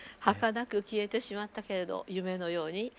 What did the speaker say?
はかなく消えてしまったけれど夢のように。